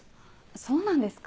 そうなんですか？